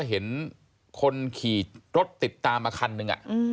เห็นคนขี่รถติดตามมาคันหนึ่ง